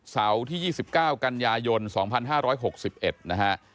เสาร์ที่๒๙กันยายน๒๕๖๑นะฮะ